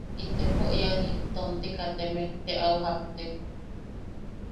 Itepo iani, tomti kateme, te au japtek.